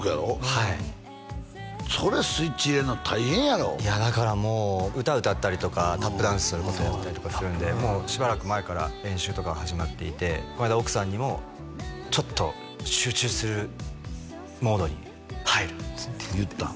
はいそれスイッチ入れるの大変やろいやだからもう歌歌ったりとかタップダンスそれこそやったりとかするんでもうしばらく前から練習とかが始まっていてこの間奥さんにもちょっと集中するモードに入るっつって言ったん？